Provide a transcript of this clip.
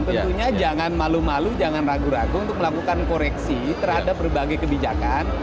tentunya jangan malu malu jangan ragu ragu untuk melakukan koreksi terhadap berbagai kebijakan